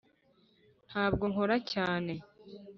ntabwo nkora cyane.